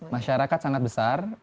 masyarakat sangat besar